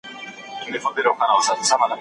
حق ته تسليمېدل د عقل نښه ده.